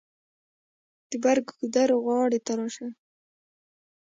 د بر ګودر غاړې ته راشه.